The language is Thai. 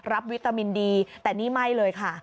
วิตามินดีแต่นี่ไม่เลยค่ะ